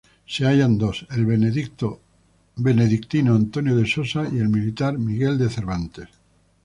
Se hallan dos: el benedictino Antonio de Sosa y el militar Miguel de Cervantes.